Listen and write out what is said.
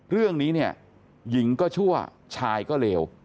เรื่องนี้เนี่ยหญิงก็ชั่วชายก็เลว